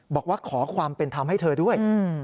บอกว่าขอความเป็นธรรมให้เธอด้วย